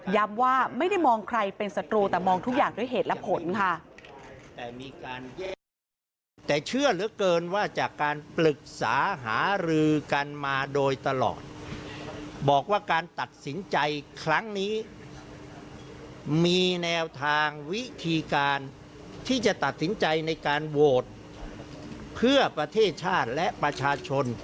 ว่าไม่ได้มองใครเป็นศัตรูแต่มองทุกอย่างด้วยเหตุและผลค่ะ